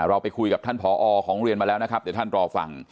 เราไปคุยกับท่านผอของเรียนมาแล้วนะครับเดี๋ยวท่านรอฟัง